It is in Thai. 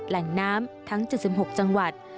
แหล่งน้ำทั้ง๗๖จังหวัด